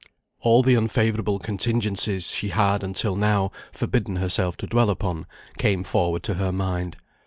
All the unfavourable contingencies she had, until now, forbidden herself to dwell upon, came forward to her mind.